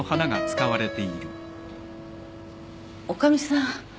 女将さん